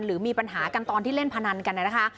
หรือมีปัญหากันตอนที่เล่นพนันกันนะคะ